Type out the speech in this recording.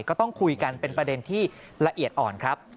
ก็ต้องคุยกันเป็นประเด็นที่ละเอียดอ่อนครับ